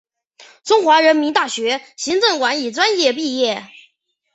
中国人民大学行政管理专业毕业。